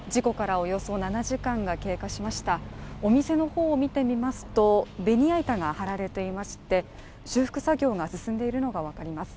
お店の方を見てみますと、ベニア板が張られていまして、修復作業が進んでいるのがわかります。